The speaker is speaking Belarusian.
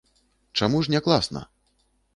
Чаму ж не класна?